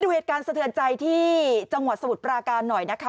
เหตุการณ์สะเทือนใจที่จังหวัดสมุทรปราการหน่อยนะคะ